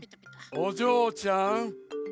おじょうちゃん。